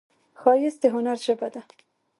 ښایست د هنر ژبه ده